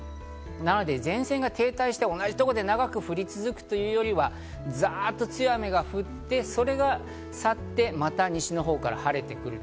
なので前線が停滞して、同じところで長く降り続くというよりは、ザっと強い雨が降って、それが去って、また西のほうから晴れてくる。